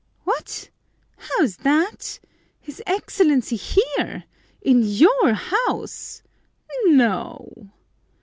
"What! How's that? His Excellency here! In your house? No!"